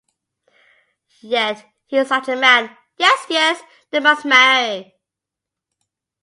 Yet he is such a man. Yes, yes, they must marry.